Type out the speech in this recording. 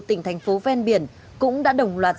tỉnh thành phố ven biển cũng đã đồng loạt